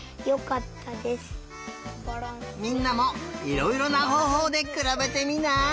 みんなもいろいろなほうほうでくらべてみない？